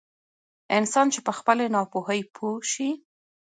انسان چې په خپلې ناپوهي پوه شي.